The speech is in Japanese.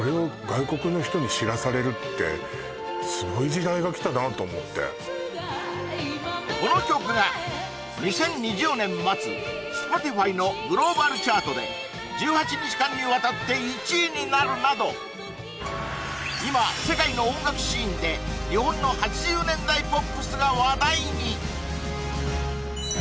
私松原みきさんってなあと思ってこの曲が２０２０年末Ｓｐｏｔｉｆｙのグローバルチャートで１８日間にわたって１位になるなど今世界の音楽シーンで日本の８０年代ポップスが話題に！